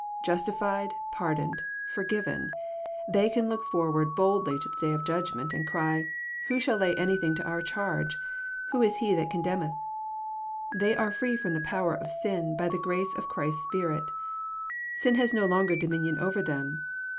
Justi fied, pardoned, forgiven, they can look forward boldly to the day of judgment, and cry " Who shall lay anything to our charge? Who is he that condemneth?" — They are freed from the power of sin by the grace of Christ's Spirit. Sin has no longer dominion over them.